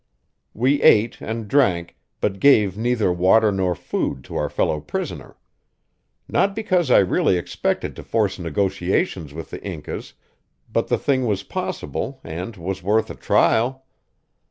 We ate and drank, but gave neither water nor food to our fellow prisoner. Not because I really expected to force negotiations with the Incas but the thing was possible and was worth a trial.